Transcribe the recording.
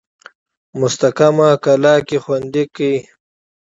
مستحکمه کلا کې خوندې کړي.